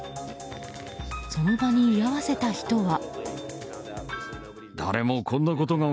その場に居合わせた人は。